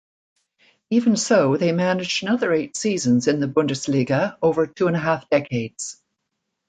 Even so, they managed another eight seasons in the Bundesliga over two-and-half decades.